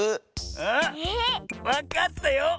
あわかったよ。